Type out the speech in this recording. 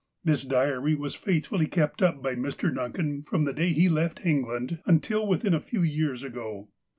This diary was faithfully kept up by Mr. Duncan from the day he left England until within a few years ago.